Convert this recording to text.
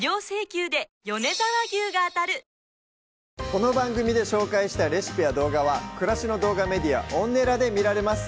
この番組で紹介したレシピや動画は暮らしの動画メディアＯｎｎｅｌａで見られます